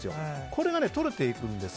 これが取れていくんです。